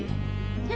え？